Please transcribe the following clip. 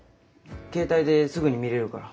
携帯ですぐに見れるから。